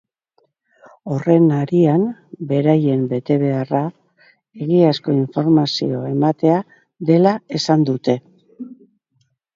Horren harian, beraien betebeharra egiazko informazio ematea dela esan dute.